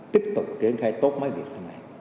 tiếp tục triển khai tốt máy viện